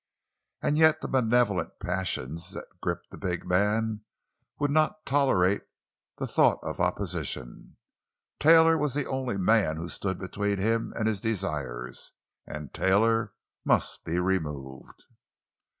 And yet the malevolent passions that gripped the big man would not tolerate the thought of opposition. Taylor was the only man who stood between him and his desires, and Taylor must be removed.